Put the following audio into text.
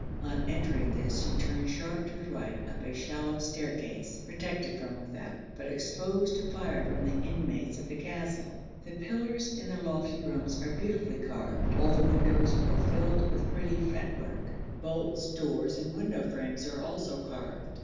On entering this you turn sharp to the right up a shallow staircase, protected from without, but exposed to fire from the inmates of the castle. The pillars in the lofty rooms are beautifully carved. All the windows are filled with pretty fretwork; bolts, doors, and window frames are also carved.